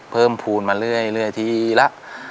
เพิ่มภูมิมาเรื่อยทีละ